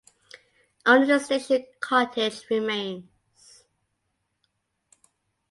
Only the station cottage remains.